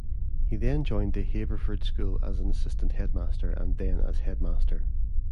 He then joined The Haverford School as assistant headmaster and then as headmaster.